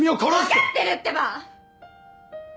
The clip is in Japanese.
分かってるってば‼